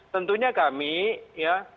tentunya kami ya